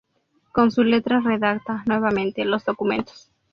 Con su letra redacta, nuevamente, los documentos.